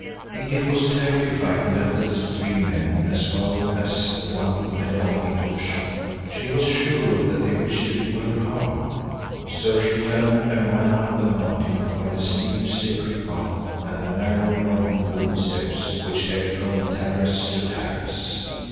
Edith was terribly frightened at the three men as well as at the one who had gone into the shop. She was sure that they wished to do her harm. So she turned and ran up the mountain by the steep, slippery path and the narrow, rotten wooden steps which led from terrace to terrace.